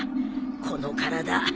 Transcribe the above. この体